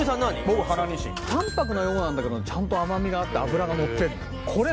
僕春にしん淡泊なようなんだけどちゃんと甘みがあって脂がのってんのよ